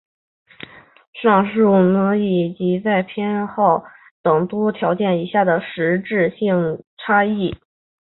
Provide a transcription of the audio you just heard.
上述差异转化成在枪枝携带以及在偏好等条件以下的实质性差异。